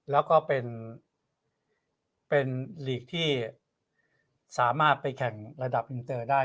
แล้วก็เป็นหลีกที่สามารถไปแข่งระดับอินเตอร์ได้